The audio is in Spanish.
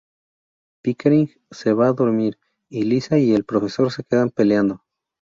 Pickering se va a dormir, y Liza y el profesor se quedan peleando.